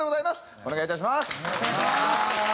お願いいたします。